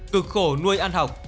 cực khổ nuôi ăn học